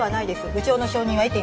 部長の承認は得ています。